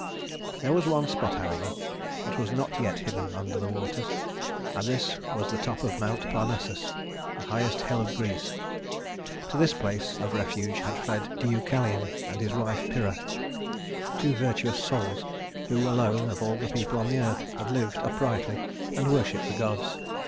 There was one spot, however, that was not yet hidden under the waters, and this was the top of Mount Parnassus, the highest hill of Greece. To this place of refuge had fled Deucalion and his wife Pyrrha, two virtuous souls who alone, of all the people on the earth, had lived uprightly and worshiped the gods.